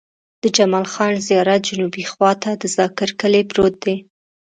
د جمال خان زيارت جنوبي خوا ته د ذاکر کلی پروت دی.